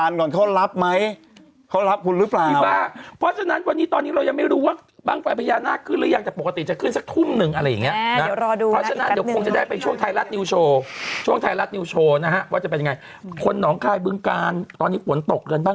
โง่โทษสิวะอย่างงั้นลูกคุณรักแล้วแสดงแล้วเล่าเป็นยังไงกับบ้าง